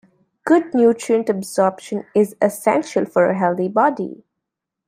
Good nutrient absorption is essential for a healthy body.